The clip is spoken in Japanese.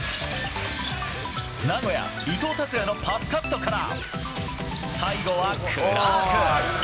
名古屋、伊藤達哉のパスカットから最後はクラーク。